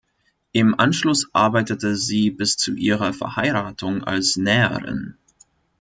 Im Anschluss arbeitete sie bis zu ihrer Verheiratung als Näherin.